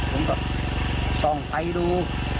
ผมก็ส่องไปดู